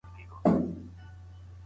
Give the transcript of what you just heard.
ستونزي د لویو کارونو پیلامه ده.